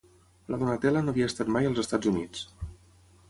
La Donatella no havia estat mai als Estats Units.